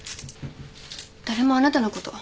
誰もあなたのこと